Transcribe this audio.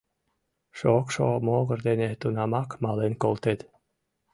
Шокшо могыр дене тунамак мален колтет.